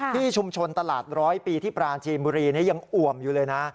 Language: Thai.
ที่ชุมชนตลาดร้อยปีที่ปราจีนบุรียังอ่วมอยู่เลยนะ